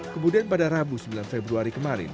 kemudian pada rabu sembilan februari kemarin